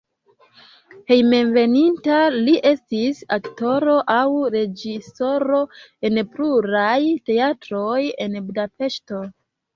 Hejmenveninta li estis aktoro aŭ reĝisoro en pluraj teatroj en Budapeŝto.